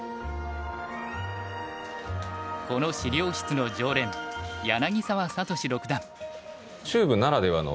この資料室の常連柳澤理志六段。